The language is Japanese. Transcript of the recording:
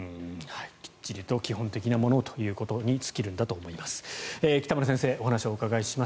きっちりと基本的なものということに尽きるんだと思います。